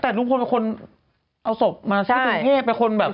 แต่เราคนเอาศพมาได้